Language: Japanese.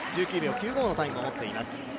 １９秒９５のタイムを持っています。